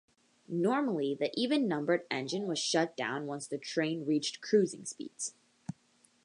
Normally, the even-numbered engine was shut down once the train reached cruising speeds.